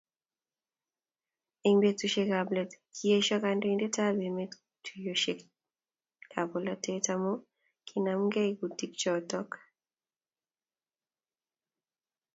Eng betusiekab let, kiesio kandoindetab emet tuyosiekab bolatet amu kinamdakei kutik choto.